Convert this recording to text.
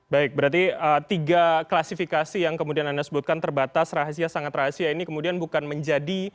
baik berarti tiga klasifikasi yang kemudian anda sebutkan terbatas rahasia sangat rahasia ini kemudian bukan menjadi